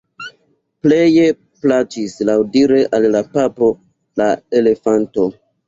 Pleje plaĉis laŭdire al la papo la elefanto.